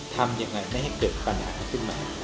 ทำยังไงไม่ให้เกิดปัญหาขึ้นมา